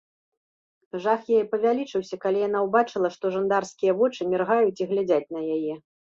Жах яе павялічыўся, калі яна ўбачыла, што жандарскія вочы міргаюць і глядзяць на яе.